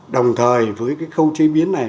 đồng thời với cái khâu chế biến này